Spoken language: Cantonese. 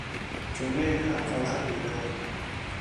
做咩黑口黑面呀？